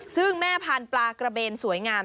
ซึ่งแม่พันธุ์ปลากระเบนสวยงาม